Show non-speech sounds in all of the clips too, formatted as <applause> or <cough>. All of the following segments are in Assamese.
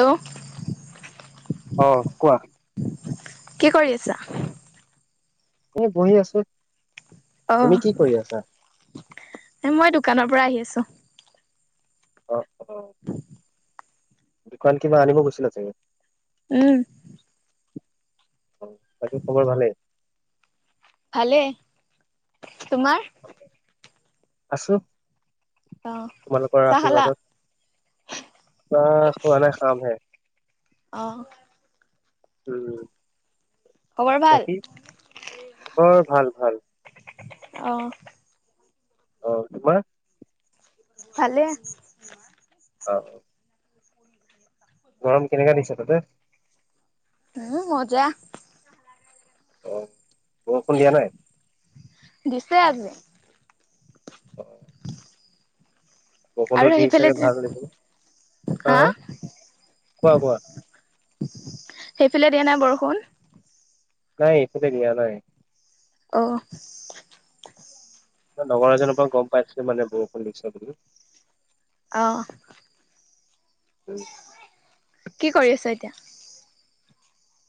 <inaudible> অ কোৱা। কি কৰি আছা? এনে বহি আছো। অ, তুমি কি কৰি আছা এ মই দোকানৰ পৰা আহি আছো। অ দোকান কিবা আনিব গৈছিলা তুমি? উম। অ বাকী খবৰ ভালে? ভালে, তোমাৰ? আছো, অ', তোমালোকৰ চাহ খালা? আশীৰ্বাদত। অ খোৱা নাই খাম হে। অ', উম। খবৰ ভাল? বাকী খবৰ ভাল ভাল। অ। অ তোমাৰ? ভালে। অ। গৰম কেনেকে দিছে তাতে? উম মজা অ বৰষুণ দিয়া নাই? দিছে আজি অ। বৰষুণতো আৰু দি সেইফালে চাগে যে, ভাল লাগিছে হা? কোৱা কোৱা সেইফালে দিয়া নাই বৰষুণ? নাই এইফালে দিয়া নাই। অঁ লগৰ এজনৰ পৰা গ'ম পাইছিলো মানে বৰষুণ দিছে বুলি। অঁ ওম। কি কৰি আছে এতিয়া?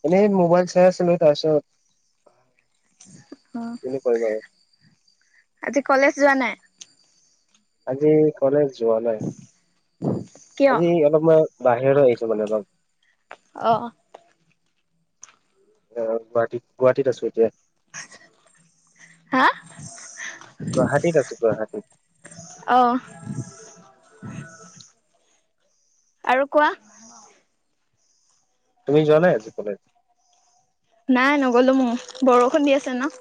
এনেই মোবাইল চাই আছিলো তাছত অ' কিনো কৰিম আৰু আজি কলেজ যোৱা নাই? আজি কলেজ যোৱা নাই। উ <unintelligible> আজি অলপ মই বাহিৰলে আহিছো মানে অলপ অ অ গুৱাহাটীত গুৱাহাটীত আছো এতিয়া। হাঁ? গুৱাহাটীত আছো গুৱাহাটীত। অ' আৰু কোৱা। তুমি যোৱা নাই আজি কলেজ? নাই নগ'লো ম'ও, বৰষুণ দি আছে ন'।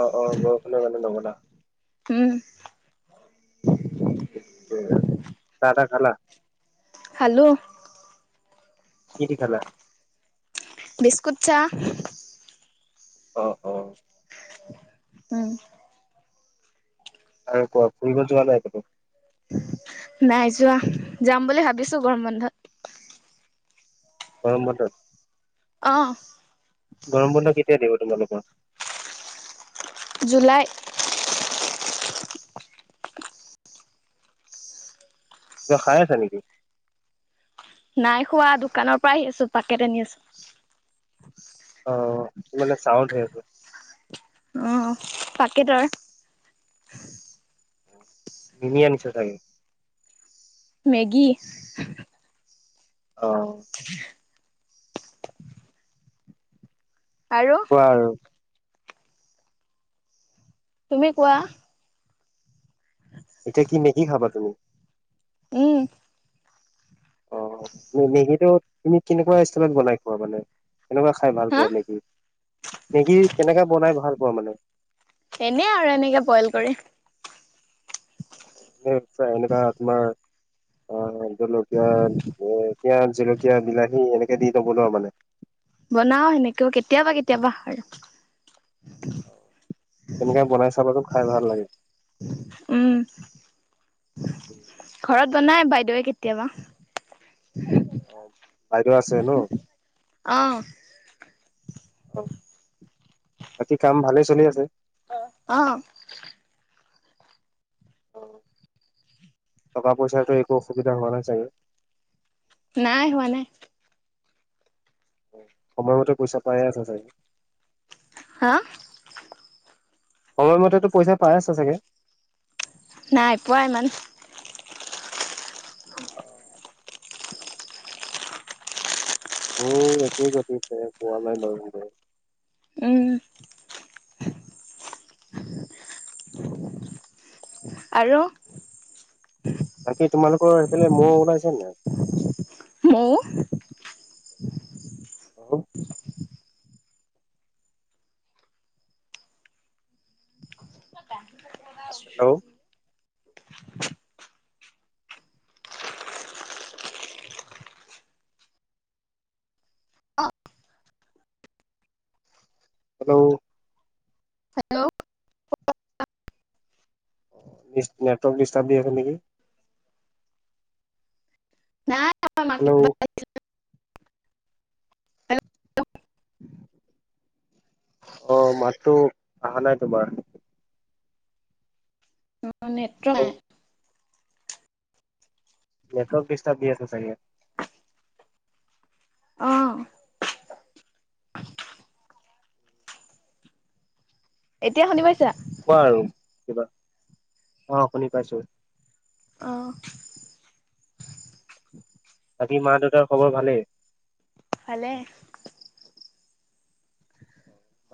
অঁ অঁ বৰষুণৰ কাৰণে নগ'লা? উম চাহ তাহ খালা? খালো। কি দি খালা? বিস্কুট চাহ। অ' অ'। উম। আৰু কোৱা, ফুৰিব যোৱা নাই একটো নাই যোৱা, যাম বুলি ভাবিছো গৰম বন্ধত। গৰম বন্ধত। অঁ গৰম বন্ধ কেতিয়া দিব তোমালোকৰ? জুলাই। কিবা খাই আছা নেকি? নাই খোৱা, দোকানৰ পৰা আহি আছো পাকেট আনি আছো। অঁ মানে চাও ধেই আছে উম পাকেটৰ। কিনি আনিছা চাগে? মেগী। অ' <inaudible> আৰু কোৱা আৰু তুমি কোৱা? এতিয়া কি মেগী খাবা তুমি? উম। অঁ, মেগীটো তুমি কেনেকুৱা ষ্টাইলত বনাই খোৱা মানে? কেনেকুৱা খাই ভাল হা পোৱা মেগী? মেগী কেনেকুৱা বনাই ভাল পোৱা মানে? এনেই আৰু এনেকে বইল কৰি। এ মানে চোৱা, এনেকুৱা তোমাৰ আহ, জলকীয়া পিঁয়াজ, জলকীয়া, বিলাহী, এনেকে দি নবনুৱা মানে? বনাই সেনেকেও, কেতিয়াবা কেতিয়াবা আৰু। তেনেকা বনাই চাবা চোন, খাই ভাল লাগে। উম, ঘৰত বনাই বাইদেউৱে কেতিয়াবা। অ' বাইদেউ আছে ন'? অ অহ, বাকী কাম ভালে চলি আছে? অ, অহ। অহ, টকা পইচাৰটো একো অসুবিধা হোৱা নাই চাগে? নাই, হোৱা নাই। সময়মতে, পইচা পায়ে আছা চাগে? হা। সময়মতে তো পইচা পাই আছা চাগে? নাই পোৱা ইমান। অ' মোৰো একেই গটিৰে, পোৱা নাই ময়ো ৰে। উমহ। আৰু। বাকী, তোমালোকৰ সেইফালে মহ ওলাইছে নে নাই? মহ? অঁহ হেল্ল। হেল্ল। ডিচ নেটৱৰ্ক ডিষ্টাৰ্ব দি আছে নেকি? হেল্ল' <inaudible> অঁ, মাততো আহা নাই তোমাৰ। অঁ নেতটো হেল্ল' নাই। নেটৱৰ্ক ডিষ্টাৰ্ব দি আছে চাগে? অঁহ এতিয়া শুনি পাইছা? কোৱা আৰু কিবা, অঁ শুনি পাইছো। অঁহ। বাকী, মা দেউতাৰ খবৰ ভালেই? ভালেই।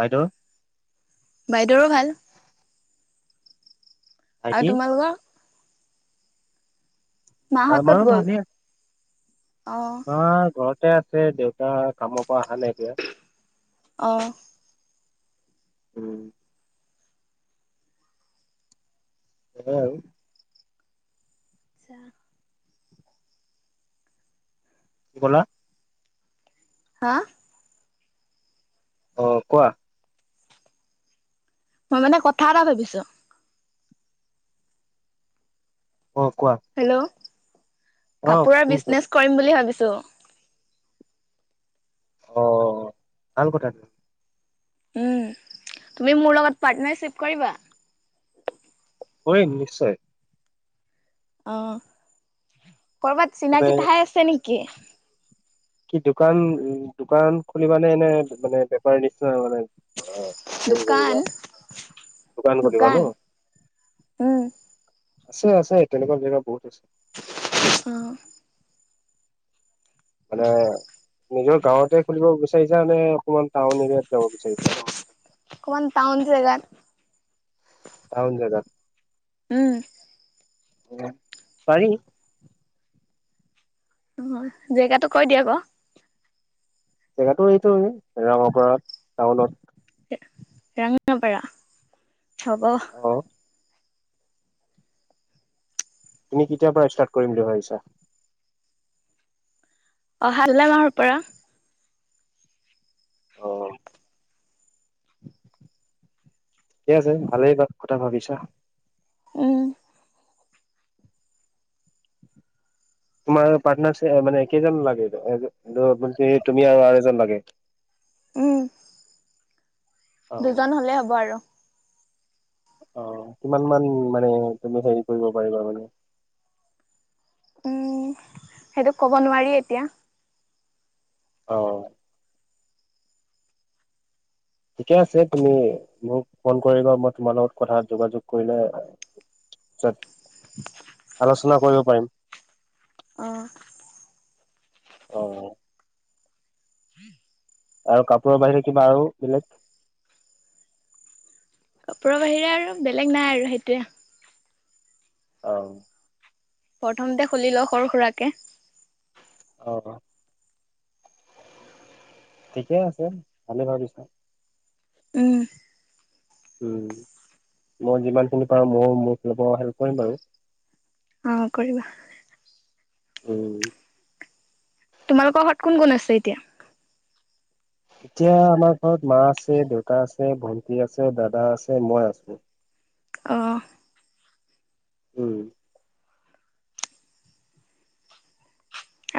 বাইদেউৰ? বাইদেউৰো ভাল। আৰু ভাইটি তোমালোকৰ? মা হত ক'ত আমাৰো গ'ল? ভালেই অ'। মা ঘৰতে আছে, দেউতা কামৰ পৰা অহা নাই এতিয়া। অ'। উম। তাকে আৰু। আচ্ছা। কি ক'লা? হা? অ', কোৱা? মই মানে, কথা এটা ভাবিছো। অ', কোৱা? হেল্ল'? অ কাপোৰৰ শুনিছো বিজনেচ কৰিম বুলি ভাবিছো। অ', ভাল কথা। উম, তুমি মোৰ লগত পাৰ্টনাৰশ্বিপ কৰিবা। কৰিম, নিশ্চয়। অ', কৰ'বাত মানে চিনাকি ঠাই আছে নেকি? কি দোকান, দোকান খুলিবানে এনে মানে, বেপাৰ নিচিনা মানে, অ'। হেৰি দোকান কৰিবা, দোকান খুলিবা ন। উম আছে, আছে তেনেকুৱা জেগা বহুত আছে। অ'। মানে নিজৰ গাঁৱতে খুলিব বিচাৰিছা নে, অকমান টাউন এৰিয়াত যাব বিচাৰিছা। অকমান টাউন জেগাত। টাউন জেগাত! উম। উম, পাৰি। অ', জেগাটো কৈ দিয়া আকৌ। জেগাতো এইটোৱে, ৰঙাপৰাত টাউনত। ৰ-ৰঙাপৰা, হ'ব। অ'। তুমি কেতিয়াৰপৰা ষ্টাৰ্ট কৰিম বুলি ভাবিছা? অহা <inaudible> মাহৰ পৰা। অ'। ঠিকে আছে, ভালেই ক-কথা ভাবিছা। উম। তোমাৰ পাৰ্টনাৰচ, মানে একেইজন লাগে। <inaudible> তুমি আৰু এজন লাগে। উম। অ দুজন হ'লে হ'ব আৰু। অ', কিমান মান, মানে তুমি হেৰি কৰিব পাৰিবা মানে। উম, সেইটো ক'ব নোৱাৰি এতিয়া। অ'। ঠিকে আছে তুমি মোক ফোন কৰিবা, মই তোমাৰ লগত কথা যোগাযোগ কৰিলে য'ত আলোচনা কৰিব পাৰিম। অ'। অ'। হম, আৰু কাপোৰৰ বাহিৰে কিবা আৰু বেলেগ? কাপোৰৰ বাহিৰে আৰু বেলেগ নাই আৰু সেইটোৱে। অ', প্ৰথমতে খুলি লও সৰু-সুৰাকে। অ', ঠিকে আছে ভালে ভাবিছা। উম, উম, মই যিমানখিনি পাৰো মই মোৰ ফালৰ পৰা হেল্প কৰিম বাৰু। অ' কৰিবা। উম, তোমালোকৰ ঘৰত কোন, কোন আছে এতিয়া? এতিয়া আমাৰ ঘৰত মা আছে দেউতা আছে, ভন্টি আছে, দাদা আছে মই আছো। অ', উম,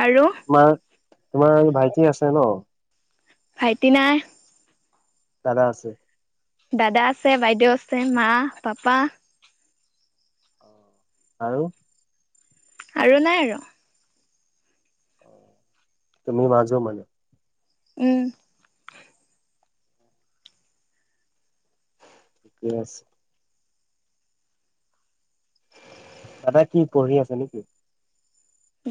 আৰু তোমাৰ, তোমাৰ এই ভাইটি আছে ন? ভাইটি নাই। দাদা আছে। দাদা আছে, বাইদেউ আছে মা-পাপা আৰু আৰু নাই আৰু। তুমি মাজো মানে? উম, ইয়ছ। দাদা কি পঢ়ি আছে নেকি?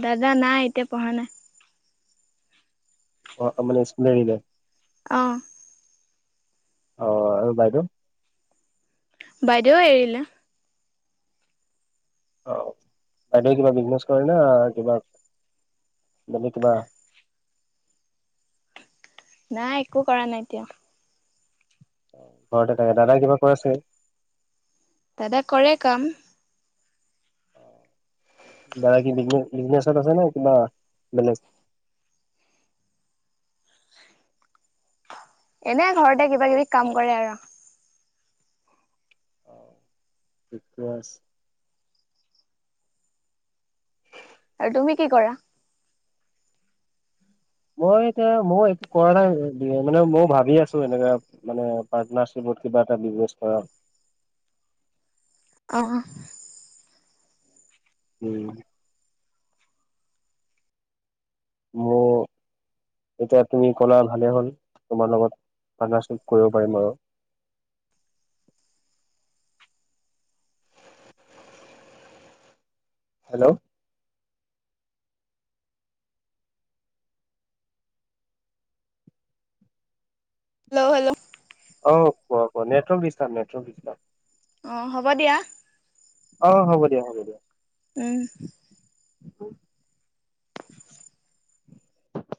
দাদা পঢ়া এতিয়া পঢ়া নাই। অ' আহ মানে ইস্কুল এৰিলে? অ', অ' আৰু বাইদেউ? বাইদেউ এৰিলে। অ' বাইদ কিবা বিজনেছ কৰে না কিবা বে কিবা নাই একো কৰা নাই এতিয়াও। ঘৰতে থাকে দাদাই কিবা কৰে ছাগে? দাদা কৰে কাম। যাৰ কিনে বিজনেচত, বিজনেচ আছে নে কিবা বেলেগ? এনে ঘৰতে কিবা কিবি কাম কৰে আৰু। ঠিকে আছে। আৰু তুমি কি কৰা? মই এতিয়া মই একো কৰা নাই মানে ময়ও ভাবি আছো এনেকা। মানে পাৰ্টনাৰশিপত কিবা এটা বিজনে কৰা। অ', উম, মোৰ এতিয়া তুমি কলা ভালে হল তোমাৰ লগত পাৰ্টনাৰশ্বিপ আৰু। হেল্ল'। Hello ', hello '। অ', কোৱা, কোৱা। Network disturb, network disturb. অ', হ'ব দিয়া। অ', হ'ব দিয়া, হ'ব দিয়া। উম।